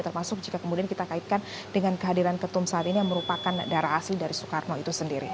termasuk jika kemudian kita kaitkan dengan kehadiran ketum saat ini yang merupakan darah asli dari soekarno itu sendiri